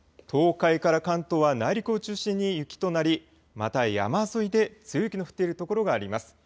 東海から関東は内陸を中心に雪となりまた山沿いで強い雪の降っている所があります。